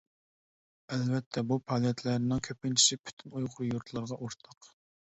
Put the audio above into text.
ئەلۋەتتە بۇ پائالىيەتلەرنىڭ كۆپىنچىسى پۈتۈن ئۇيغۇر يۇرتلىرىغا ئورتاق.